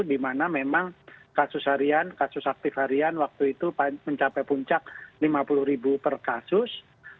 di mana memang kasus harian kasus aktif harian waktu itu mencapai puncak lima puluh ribu per kasus